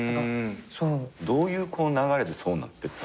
どういう流れでそうなってったの？